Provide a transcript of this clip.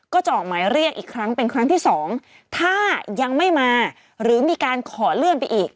ก็จะออกหมายเรียกอีกครั้งเป็นครั้งที่สองถ้ายังไม่มาหรือมีการขอเลื่อนไปอีก